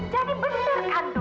jadi bener kan do